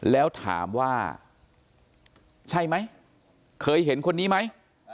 แล้วถามว่าใช่ไหมเคยเห็นคนนี้ไหม